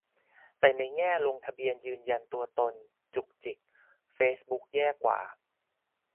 แต่ในแง่ลงทะเบียนยืนยันตัวตนจุกจิก เฟซบุ๊กแย่กว่า